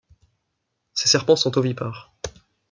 Ces serpents sont ovipares.